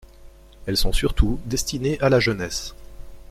Elles sont surtout destinées à la jeunesse.